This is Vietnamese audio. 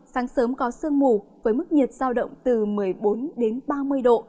sáng sớm có sương mù với mức nhiệt giao động từ một mươi bốn đến ba mươi độ